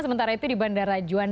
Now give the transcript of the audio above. sementara itu di bandara juanda